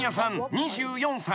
２４歳］